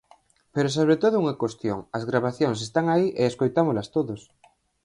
Pero sobre todo unha cuestión, as gravacións están aí e escoitámolas todos.